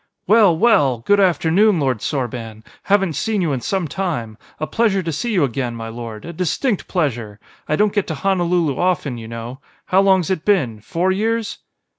"Well, well! Good afternoon, Lord Sorban! Haven't seen you in some time. A pleasure to see you again, my lord, a distinct pleasure! I don't get to Honolulu often, you know. How long's it been? Four years?"